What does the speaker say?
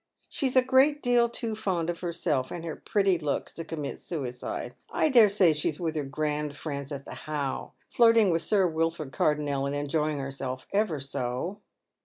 She's a great deal too fond of herself and her pretty looks to commit suicide. I dare say she's with her grand friends at the How^ flirting with Sir Wilford Cardonnel, and enjoying herself ever so."